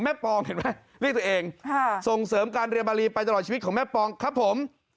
ปองเห็นไหมเรียกตัวเองส่งเสริมการเรียนบารีไปตลอดชีวิตของแม่ปองครับผม